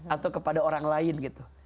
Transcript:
atau kepada orang lain gitu